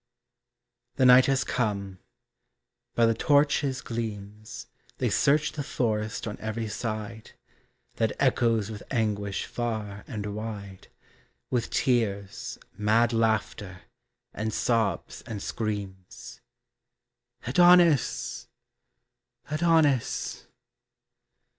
The night has come. By the torches' gleams They search the forest on every side, That echoes with anguish far and wide, With tears, mad laughter, and sobs and screams, Adonis! Adonis!